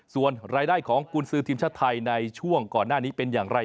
ส่วนรายได้ของกุญสือทีมชาติไทยในช่วงก่อนหน้านี้เป็นอย่างไร